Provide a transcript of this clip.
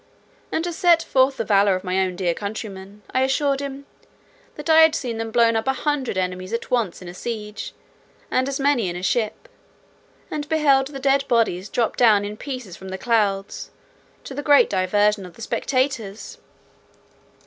And to set forth the valour of my own dear countrymen, I assured him, "that I had seen them blow up a hundred enemies at once in a siege, and as many in a ship, and beheld the dead bodies drop down in pieces from the clouds, to the great diversion of the spectators."